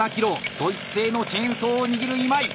ドイツ製のチェーンソーを握る今井。